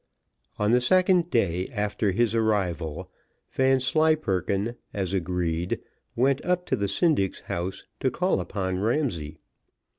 On the second day after his arrival, Vanslyperken, as agreed, went up to the syndic's house to call upon Ramsay.